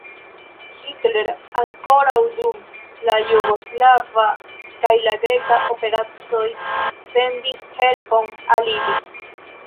Hitler ankoraŭ dum la jugoslava kaj la greka operacoj sendis helpon al ili.